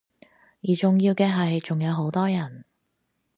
而重要嘅係，仲有好多人